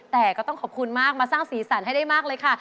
แต่ก็ต้องขอบคุณมากมาสร้างสีสันให้ได้มากเลยค่ะ